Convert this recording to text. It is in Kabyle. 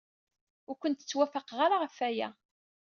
Ur kent-ttwafaqeɣ ara ɣef waya.